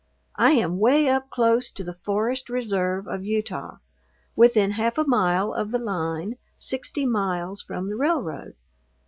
I am 'way up close to the Forest Reserve of Utah, within half a mile of the line, sixty miles from the railroad.